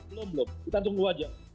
belum belum kita tunggu aja